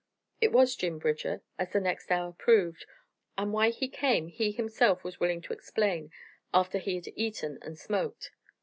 It was Jim Bridger, as the next hour proved, and why he came he himself was willing to explain after he had eaten and smoked.